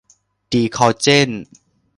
ดีคอลเจน